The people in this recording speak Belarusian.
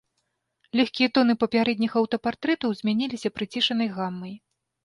Лёгкія тоны папярэдніх аўтапартрэтаў змяніліся прыцішанай гамай.